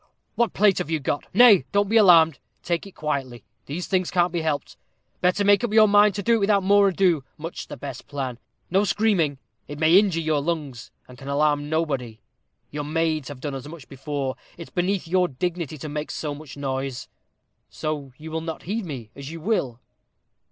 What plate have you got? Nay, don't be alarmed take it quietly these things can't be helped better make up your mind to do it without more ado much the best plan no screaming, it may injure your lungs, and can alarm nobody. Your maids have done as much before it's beneath your dignity to make so much noise. So, you will not heed me? As you will."